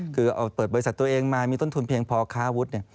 คือเปิดบริษัทตัวเองมามีต้นทุนเพียงพอค้าอาวุธ